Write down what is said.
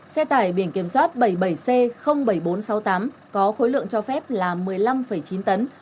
xe tải biển kiểm soát bảy mươi bảy c bảy nghìn bốn trăm sáu mươi tám có khối lượng cho phép là một mươi năm chín tấn